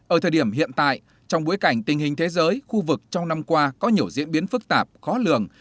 ở thời điểm hiện tại trong bối cảnh tình hình thế giới khu vực trong năm qua có nhiều diễn biến phức tạp khó lường